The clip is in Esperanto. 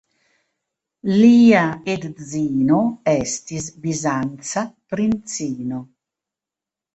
Lia edzino estis bizanca princino.